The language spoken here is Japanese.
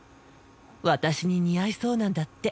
私に似合いそうなんだって。